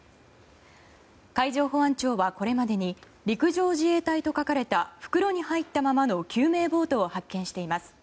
海上保安庁はこれまでに陸上自衛隊と書かれた袋に入ったままの救命ボートを発見しています。